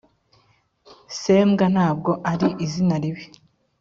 sembwa ntabwo ari izina ribi